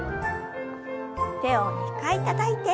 手を２回たたいて。